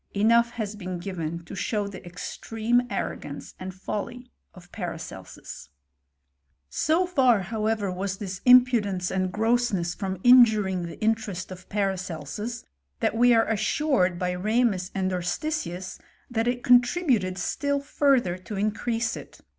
Enough has been given to show the extreme arrogance and folly of Paracelsus. So far, however, was this impudence and grossness from injuring the interest of Paracelsus, that we are assured by Ramus and Urstisius that it contributed still further to increase it.